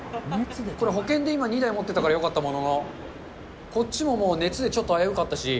これ、保険で今、２台持ってたからよかったものの、こっちももう、熱でちょっと危うかったし。